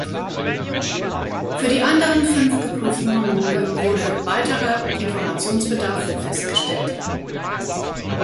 Für die anderen fünf geprüften Hormone wurde weiterer Informationsbedarf festgestellt.